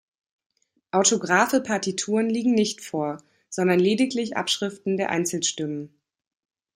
Autographe Partituren liegen nicht vor, sondern lediglich Abschriften der Einzelstimmen.